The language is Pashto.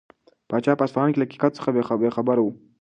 پاچا په اصفهان کې له حقیقت څخه بې خبره و.